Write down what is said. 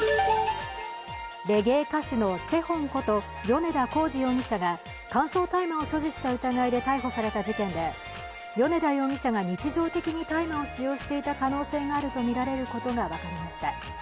レゲエ歌手のＣＨＥＨＯＮこと米田洪二容疑者が乾燥大麻を所持した疑いで逮捕された事件で米田容疑者が日常的に大麻を使用していた可能性があるとみられることが分かりました。